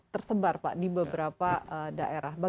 proses penelitian menggunakan